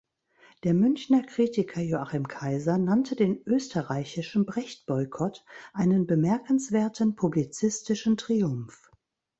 Der Münchner Kritiker Joachim Kaiser nannte den österreichischen „Brecht-Boykott“ einen „bemerkenswerten publizistischen Triumph“.